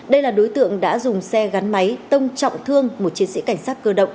đây là đối tượng đã dùng xe gắn máy tông trọng thương một chiến sĩ cảnh sát cơ động